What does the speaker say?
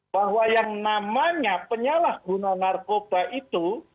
bahwa yang namanya penyalah guna narkoba itu